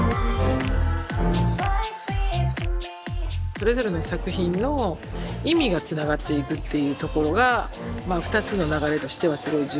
それぞれの作品の意味がつながっていくっていうところがまあ２つの流れとしてはすごい重要だから。